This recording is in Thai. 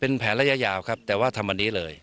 เป็นแผนระยะยาวครับแต่ว่าทำอันนี้เลย